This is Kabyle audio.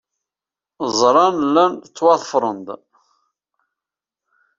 Ẓran llan ttwaḍefren-d.